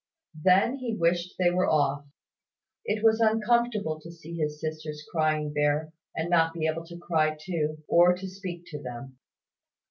Then he wished they were off. It was uncomfortable to see his sisters crying there, and not to be able to cry too, or to speak to them.